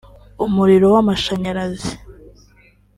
umuriro w’amashanyarazi